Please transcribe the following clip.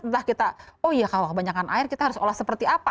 entah kita oh iya kalau kebanyakan air kita harus olah seperti apa